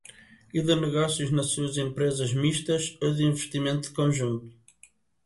e de sócios nas suas empresas mistas ou de investimento conjunto